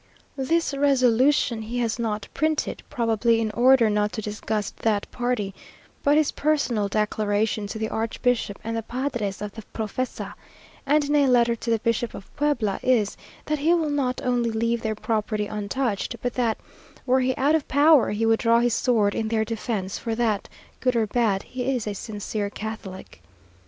This resolution he has not printed, probably in order not to disgust that party, but his personal declaration to the archbishop and the padres of the Profesa, and in a letter to the bishop of Puebla, is, that he will not only leave their property untouched, but that, were he out of power, he would draw his sword in their defence for that, good or bad, he is a sincere Catholic.